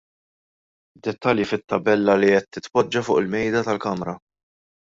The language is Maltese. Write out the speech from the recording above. Dettalji fit-tabella li qed titpoġġa fuq il-Mejda tal-Kamra.